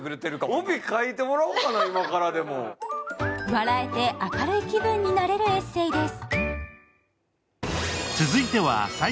笑えて、明るい気分になれるエッセーです。